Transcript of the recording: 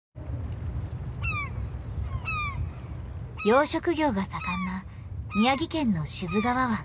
養殖業が盛んな宮城県の志津川湾。